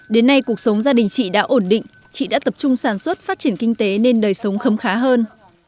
đến nay cuộc sống gia đình chị đã ổn định chị đã tập trung sản xuất phát triển kinh tế nên đời sống khấm khá hơn